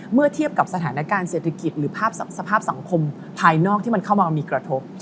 เมื่อเทียบกับสถานการณ์เศรษฐกิจหรือภาพสภาพสังคมภายนอกที่มันเข้ามามีกระทบ